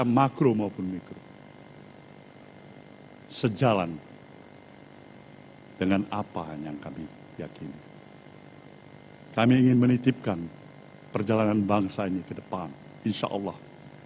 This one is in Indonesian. maka yang ingin dicari nasdem adalah